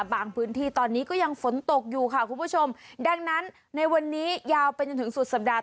พื้นที่ตอนนี้ก็ยังฝนตกอยู่ค่ะคุณผู้ชมดังนั้นในวันนี้ยาวไปจนถึงสุดสัปดาห